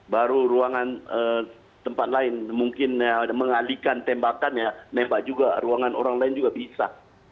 baru ruangan tempat lain mungkin mengalihkan tembakan ya nembak juga ruangan orang lain juga bisa